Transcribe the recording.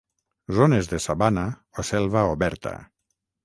Zones de sabana o selva oberta.